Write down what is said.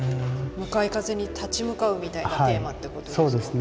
向かい風に立ち向かうみたいなテーマってことですか？